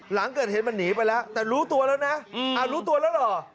หลังเกิดเหตุมันหนีไปแล้วแต่รู้ตัวแล้วนะรู้ตัวแล้วเหรอ